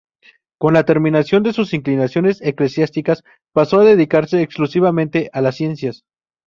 Con la terminación de sus inclinaciones eclesiásticas, pasó a dedicarse exclusivamente a las Ciencias.